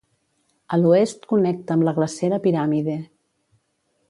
A l'oest connecta amb la glacera Pirámide.